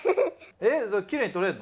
えっ？